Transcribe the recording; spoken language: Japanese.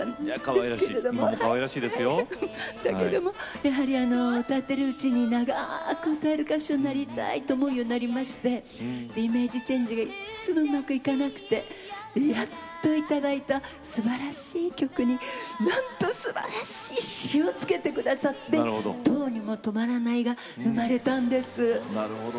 やっぱり歌っているうちに長く歌える歌手になりたいと思うようになりましてイメージチェンジがうまくいかなくてやっといただいたすばらしい曲になんとすばらしい詞をつけてくださって「どうにもとまらない」が生まれたんです。